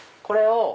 これを。